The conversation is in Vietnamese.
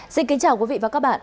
xin kính chào quý vị và các bạn